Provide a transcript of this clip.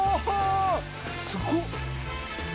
すごっ！